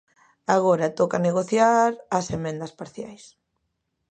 Agora toca negociar as emendas parciais.